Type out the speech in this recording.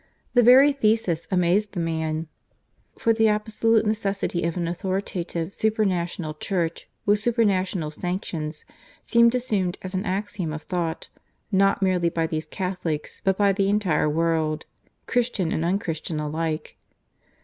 The very thesis amazed the man, for the absolute necessity of an authoritative supra national Church, with supernatural sanctions, seemed assumed as an axiom of thought, not merely by these Catholics, but by the entire world, Christian and un Christian alike.